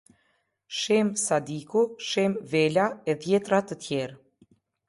Sheme Sadiku, Sheme Vela e dhjetëra të tjerë.